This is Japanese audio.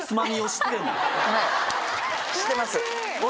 はい知ってます。